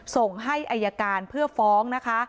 ส่งให้อายการเพื่อฟ้องนะคะ